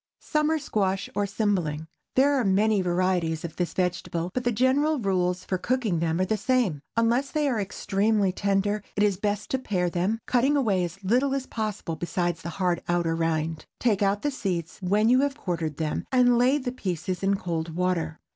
SUMMER SQUASH OR CYMBLING. There are many varieties of this vegetable, but the general rules for cooking them are the same. Unless they are extremely tender, it is best to pare them, cutting away as little as possible besides the hard outer rind. Take out the seeds, when you have quartered them, and lay the pieces in cold water.